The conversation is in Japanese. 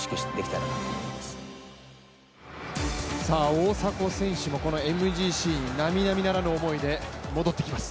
大迫選手もこのＭＧＣになみなみならぬ思いで戻ってきます。